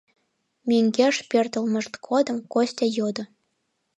Мӧҥгеш пӧртылмышт годым Костя йодо: